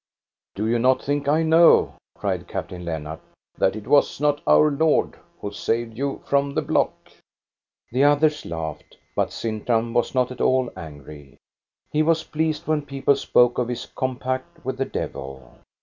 "" Do you not think I know," cried Captain Lennart, " that it was not our Lord who saved you from the block?" The others laughed. But Sintram was not at all angry. He was pleased when people spoke of his compact with the devil.